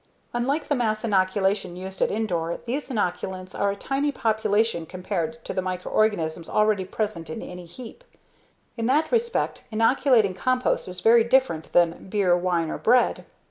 Unlike the mass inoculation used at Indore, these inoculants are a tiny population compared to the microorganisms already present in any heap. In that respect, inoculating compost is very different than beer, wine, or bread.